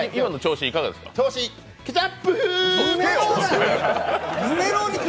調子ケチャップ！